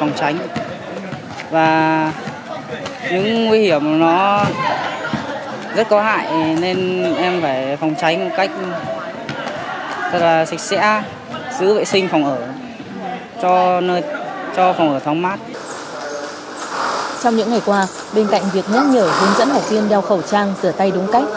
trong những ngày qua bên cạnh việc nhắc nhở hướng dẫn học viên đeo khẩu trang rửa tay đúng cách